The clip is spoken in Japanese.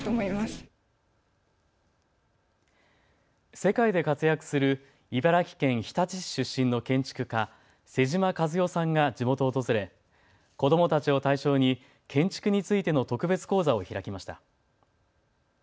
世界で活躍する茨城県日立市出身の建築家、妹島和世さんが地元を訪れ子どもたちを対象に建築についての特別講座を開きました。